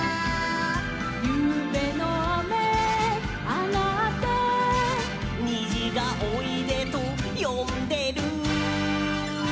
「ゆうべのあめあがって」「にじがおいでとよんでる」